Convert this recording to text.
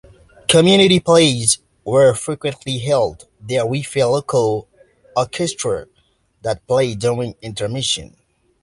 Community plays were frequently held there with a local orchestra that played during intermission.